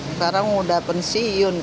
sekarang sudah pensiun